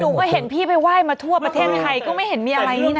หนูก็เห็นพี่ไปไหว้มาทั่วประเทศไทยก็ไม่เห็นมีอะไรนี่นะ